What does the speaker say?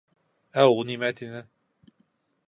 — Ә ул нимә тине?